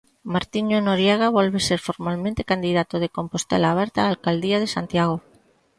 Martiño Noriega volve ser formalmente candidato de Compostela Aberta á alcaldía de Santiago.